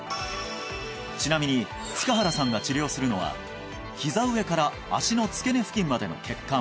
ちなみに塚原さんが治療するのはひざ上から足の付け根付近までの血管